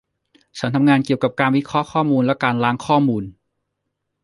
ฉันทำงานเกี่ยวกับการวิเคราะห์ข้อมูลและการล้างข้อมูล